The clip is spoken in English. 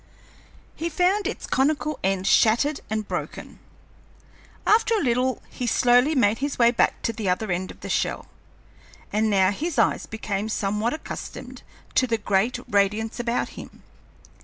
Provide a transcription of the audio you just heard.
He found its conical end shattered and broken. After a little he slowly made his way back to the other end of the shell, and now his eyes became somewhat accustomed to the great radiance about him.